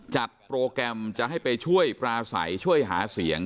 จัดโปรแกรมจะให้ไปช่วยปราศัยช่วยหาเสียง